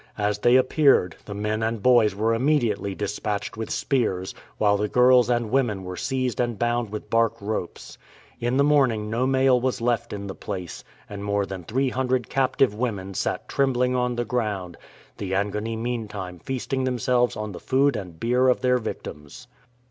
As they appeared, the men and boys were immediately dis patched with spears, while the girls and women were seized and bound with bark ropes. In the morning no male was left in the place, and more than 300 captive women sat trembling on the ground, the Angoni meantime feastins themselves on the food and beer of their victims.